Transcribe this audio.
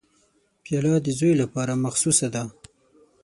پیاله د زوی لپاره مخصوصه ده.